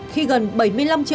khi gần bảy mươi năm triệu đồng